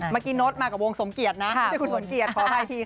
เมื่อกี้โน๊ตมากับวงสมเกียรตินะไม่ใช่คุณสมเกียรติพอให้ทีค่ะ